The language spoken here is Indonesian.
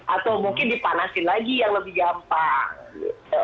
atau mungkin dipanasin lagi yang lebih gampang